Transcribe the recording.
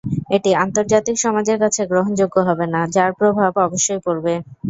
এটি আন্তর্জাতিক সমাজের কাছে গ্রহণযোগ্য হবে না, যার প্রভাব অবশ্যই পড়বে।